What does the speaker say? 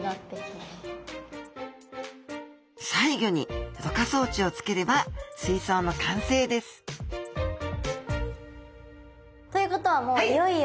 最後にろ過装置を付ければ水槽の完成ですということはもういよいよ。